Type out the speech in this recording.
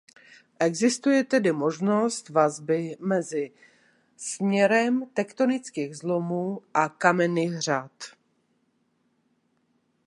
Existuje tedy možnost vazby mezi směrem tektonických zlomů a kamenných řad.